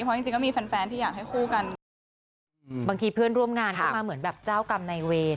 เพราะจริงก็มีแฟนที่อยากให้คู่กัน